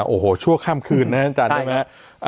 โอ้โหชั่วข้ามคืนนะอาจารย์ใช่ไหม